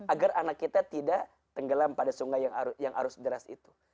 agar anak kita tidak tenggelam pada sungai yang arus deras itu